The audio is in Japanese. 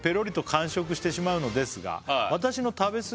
「完食してしまうのですが」